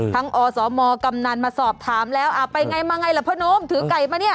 อสมกำนันมาสอบถามแล้วไปไงมาไงล่ะพ่อโน้มถือไก่มาเนี่ย